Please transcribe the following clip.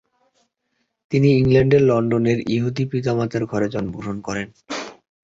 তিনি ইংল্যান্ডের লন্ডনে ইহুদি পিতামাতার ঘরে জন্মগ্রহণ করেন।